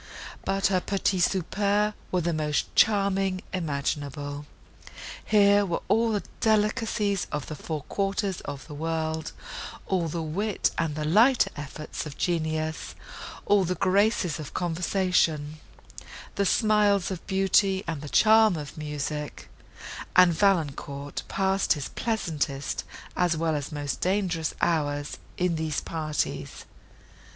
But her petits soupers were the most charming imaginable! Here were all the delicacies of the four quarters of the world, all the wit and the lighter efforts of genius, all the graces of conversation—the smiles of beauty, and the charm of music; and Valancourt passed his pleasantest, as well as most dangerous hours in these parties.